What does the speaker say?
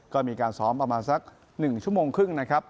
ก็มีการซ้อมประมาณสัก๑ชั่วโมงครึ่งนะครับ